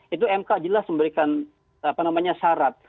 itu mk jelas memberikan syarat